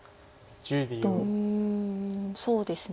うんそうですね。